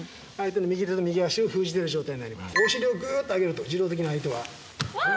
お尻をグッと上げると自動的に相手は。わ！